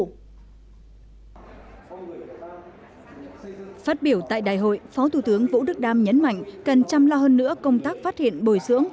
phát biểu tại đại hội phó thủ tướng vũ đức đam nhấn mạnh cần chăm lo hơn nữa công tác phát hiện bồi dưỡng